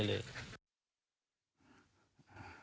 ก็มีแผ่นรอยยุงกัด